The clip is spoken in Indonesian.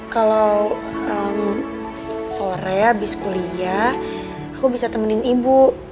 kalau sore habis kuliah aku bisa temenin ibu